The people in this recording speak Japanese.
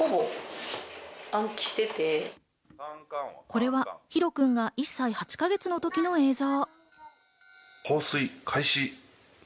これはヒロくんが１歳８か月の時の映像。